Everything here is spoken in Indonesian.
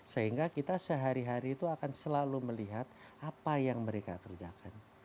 sehingga kita sehari hari itu akan selalu melihat apa yang mereka kerjakan